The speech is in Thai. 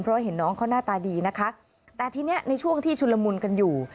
เพราะเห็นน้องเขาหน้าตาดีนะคะแต่ทีนี้ในช่วงที่ชุนละมุนกันอยู่